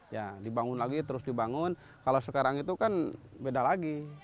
ya dibangun lagi terus dibangun kalau sekarang itu kan beda lagi